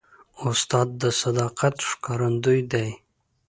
استاد د صداقت ښکارندوی دی.